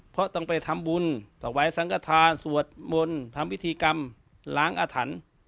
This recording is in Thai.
เพราะต้องไปทำบุญต่อไว้สังฆาษณ์สวดมนตร์ทำวิธีกรรมล้างอธรรม